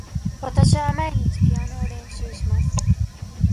わたしは毎日ピアノを練習します。